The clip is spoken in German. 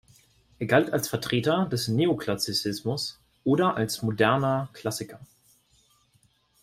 Er galt als Vertreter des Neoklassizismus oder als „moderner Klassiker“.